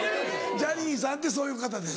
ジャニーさんってそういう方です。